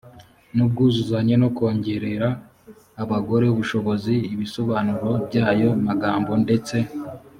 n ubwuzuzanye no kongerera abagore ubushobozi ibisobanuro by ayo magambo ndetse